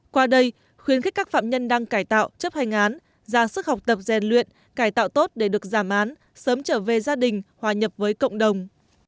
qua đây khuyến khích các phạm nhân đang cải tạo chấp hành án ra sức học tập rèn luyện cải tạo tốt để được giảm án sớm trở về gia đình hòa nhập với cộng đồng